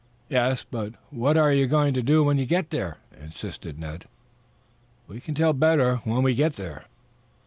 "Yes, but what are you going to do when you get there?" insisted Ned. "We can tell better when we get there."